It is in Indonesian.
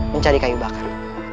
mencari kayu bakar